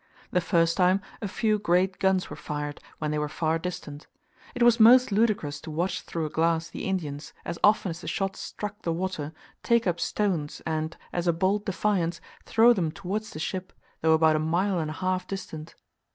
The first time a few great guns were fired, when they were far distant. It was most ludicrous to watch through a glass the Indians, as often as the shot struck the water, take up stones, and, as a bold defiance, throw them towards the ship, though about a mile and a half distant!